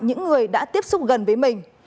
những người đã tiếp xúc gần với mình